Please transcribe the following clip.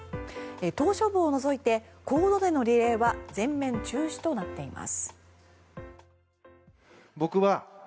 島しょ部を除いて公道でのリレーは全面中止となっています。